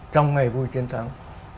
trong ngày vui chiến thắng